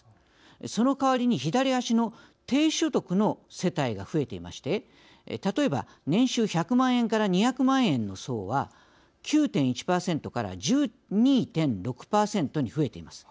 その代わりに左端の低所得者世帯が増えていまして例えば、年収１００万円から２００万円の層は９．１％から１２．６％に増えています。